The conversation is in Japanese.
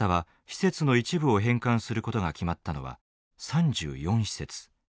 施設の一部を返還することが決まったのは３４施設。